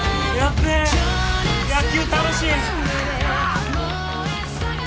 べえ野球楽しい！